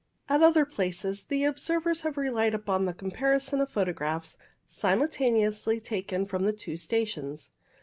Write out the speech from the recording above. At other places the observers have relied upon the comparison of photographs simultaneously taken from the two stations.